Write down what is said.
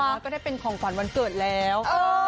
อย่างน้อยก็ได้เป็นของขวัญวันเกิดแล้ว